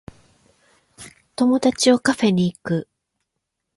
友達をカフェに行く